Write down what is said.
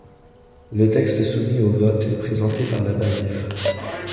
Le texte soumis aux votes est présenté par la Bavière.